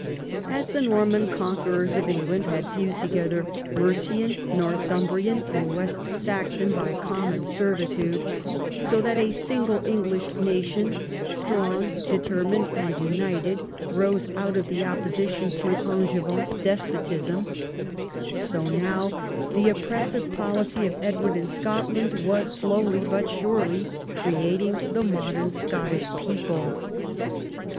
As the Norman conquerors of England had fused together Mercian, Northumbrian, and West Saxon by common servitude, so that a single English nation, strong, determined, and united, rose out of the opposition to AngeAan despotism, so now the oppressive policy of Edward in Scotland Avas slowly but surely creating the modem Scottish people.